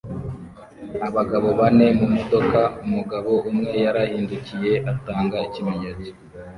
abagabo bane mumodoka umugabo umwe yarahindukiye atanga ikimenyetso